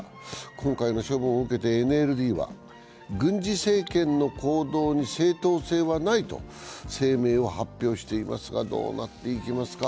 今回の処分を受けてＮＬＤは軍事政権の行動に正当性はないと声明を発表していますが、どうなっていきますか。